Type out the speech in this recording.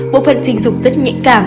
bộ phận sinh dục rất nhạy cảm